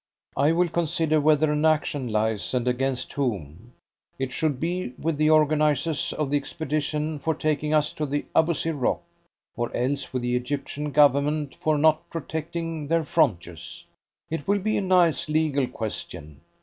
"I will consider whether an action lies, and against whom. It should be with the organisers of the expedition for taking us to the Abousir Rock or else with the Egyptian Government for not protecting their frontiers. It will be a nice legal question.